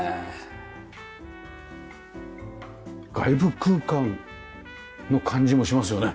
外部空間の感じもしますよね。